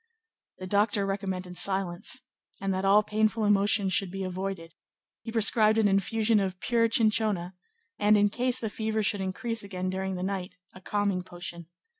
The doctor recommended silence, and that all painful emotions should be avoided; he prescribed an infusion of pure chinchona, and, in case the fever should increase again during the night, a calming potion.